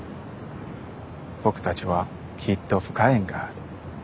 僕たちはきっと深い縁がある。